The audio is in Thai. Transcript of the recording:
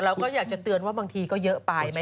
เราก็อยากจะเตือนว่าบางทีก็เยอะไป